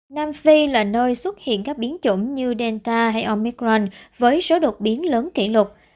nam phi là nơi xuất hiện các biến chủng như delta hay omicron với số đột biến lớn kỷ lục